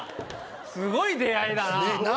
すごい出会いだな。